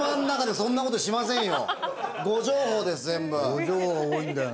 誤情報多いんだよね。